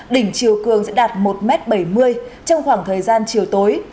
đỉnh chiều cường sẽ đạt một m bảy mươi trong khoảng thời gian chiều tối